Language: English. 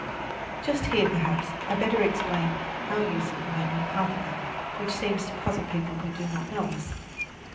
Just here, perhaps, I had better explain our use of the manual alphabet, which seems to puzzle people who do not know us.